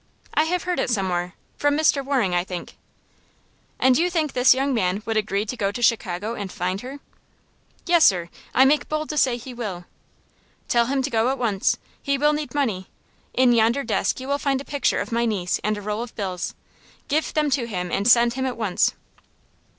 "I have heard it somewhere. From Mr. Waring, I think." "And you think this young man would agree to go to Chicago and find her?" "Yes, sir, I make bold to say he will." "Tell him to go at once. He will need money. In yonder desk you will find a picture of my niece and a roll of bills. Give them to him and send him at once."